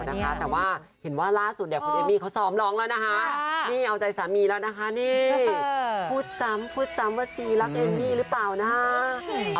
ไม่แท้อะไรไงนี่แจ๊กแฟนสันไม่มาทำเพิ่มยอดวิวอ่ะ